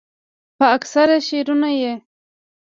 پۀ اکثره شعرونو ئې